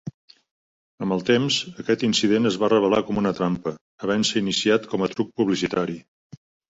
Amb el temps, aquest incident es va revelar com una trampa, havent-se iniciat com a truc publicitari.